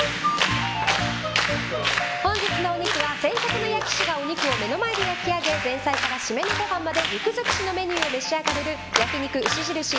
本日のお肉は、専属の焼き師がお肉を目の前で焼き上げ前菜から締めのごはんまで肉尽くしのメニューを召し上がれる焼肉牛印